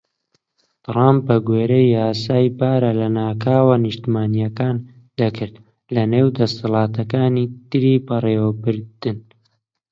ترەمپ بە گوێرەی یاسای بارە لەناکاوە نیشتیمانیەکان دەکرد، لە نێو دەسەڵاتەکانی تری بەڕێوەبردن.